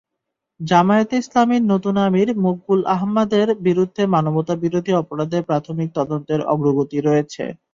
জামায়াতে ইসলামীর নতুন আমির মকবুল আহমাদের বিরুদ্ধে মানবতাবিরোধী অপরাধের প্রাথমিক তদন্তের অগ্রগতি রয়েছে।